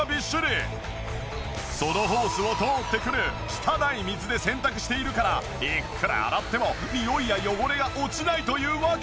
そのホースを通ってくる汚い水で洗濯しているからいくら洗ってもニオイや汚れが落ちないというわけ。